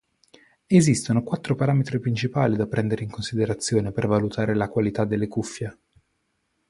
Esistono quattro parametri principali da prendere in considerazione per valutare la qualità delle cuffie.